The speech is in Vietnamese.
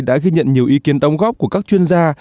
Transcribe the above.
đã ghi nhận nhiều ý kiến đóng góp của các chuyên gia